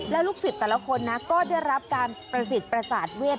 แล้วลูกศิษย์แต่ละคนนะก็ได้รับการประสิทธิ์ประสาทเวท